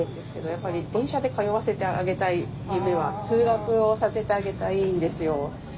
やっぱり電車で通わせてあげたい夢は通学をさせてあげたいんですよ。